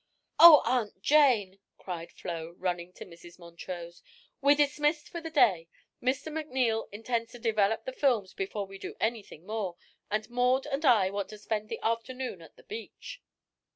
"Oh, Aunt Jane!" cried Flo, running to Mrs. Montrose, "we're dismissed for the day. Mr. McNeil intends to develop the films before we do anything more, and Maud and I want to spend the afternoon at the beach."